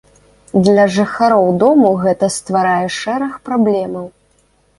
Для жыхароў дому гэта стварае шэраг праблемаў.